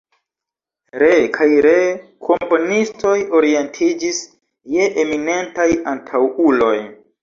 Ree kaj ree komponistoj orientiĝis je eminentaj antaŭuloj.